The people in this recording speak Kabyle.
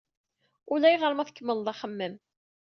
Ulayɣer ma tkemmleḍ axemmem.